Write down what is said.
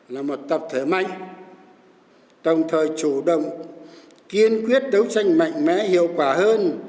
là một tập thể mạnh tổng thời chủ động kiên quyết đấu tranh mạnh mẽ hiệu quả hơn